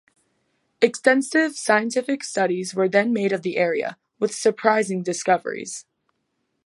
Extensive scientific studies were then made of the area, with surprising discoveries.